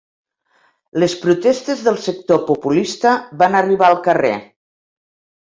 Les protestes del sector populista van arribar al carrer.